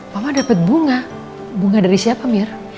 mama dapet bunga bunga dari siapa mir